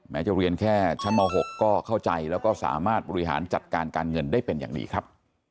จะเรียนแค่ชั้นม๖ก็เข้าใจแล้วก็สามารถบริหารจัดการการเงินได้เป็นอย่างดีครับ